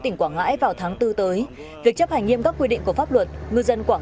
tỉnh quảng ngãi vào tháng bốn tới việc chấp hành nghiêm các quy định của pháp luật ngư dân quảng